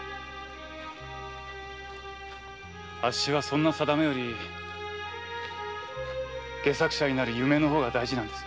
あっしはそんな定めより戯作者になる夢が大事なんです。